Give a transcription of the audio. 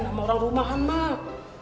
sama orang rumahan mak